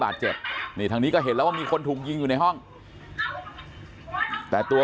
บาดเจ็บนี่ทางนี้ก็เห็นแล้วว่ามีคนถูกยิงอยู่ในห้องแต่ตัว